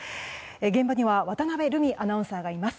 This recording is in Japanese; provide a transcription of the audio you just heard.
現場には渡辺瑠海アナウンサーがいます。